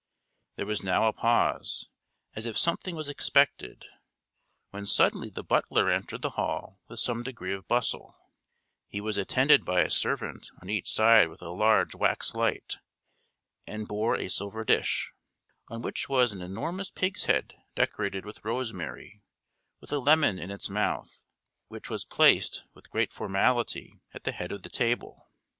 There was now a pause, as if something was expected; when suddenly the butler entered the hall with some degree of bustle: he was attended by a servant on each side with a large wax light, and bore a silver dish, on which was an enormous pig's head decorated with rosemary, with a lemon in its mouth, which was placed with great formality at the head of the table.